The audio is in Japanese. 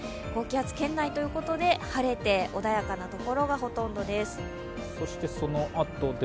高気圧圏内ということで晴れて穏やかな所がほとんどです。